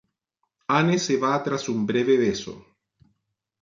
Anne se va tras un breve beso.